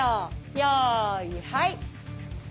よーいはい。